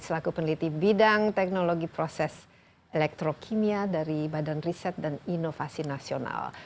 selaku peneliti bidang teknologi proses elektrokimia dari badan riset dan inovasi nasional